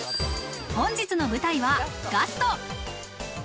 本日の舞台はガスト。